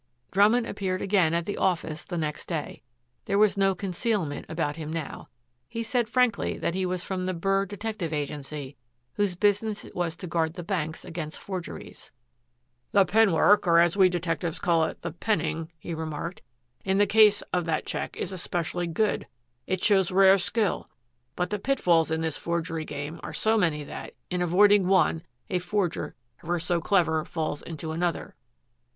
Drummond appeared again at the office the next day. There was no concealment about him now. He said frankly that he was from the Burr Detective Agency, whose business it was to guard the banks against forgeries. "The pen work, or, as we detectives call it, the penning," he remarked, "in the case of that check is especially good. It shows rare skill. But the pitfalls in this forgery game are so many that, in avoiding one, a forger, ever so clever, falls into another."